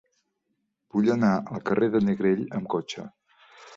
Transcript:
Vull anar al carrer de Negrell amb cotxe.